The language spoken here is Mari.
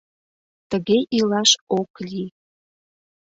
— Тыге илаш ок лий...